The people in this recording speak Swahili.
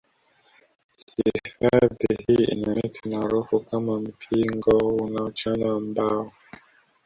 Hifadhi hii ina miti maarufu kama mpingo unaochanwa mbao